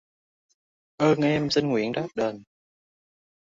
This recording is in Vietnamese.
Ơn em xin nguyện đáp đền